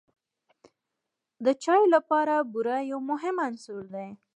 د چای لپاره بوره یو مهم عنصر دی.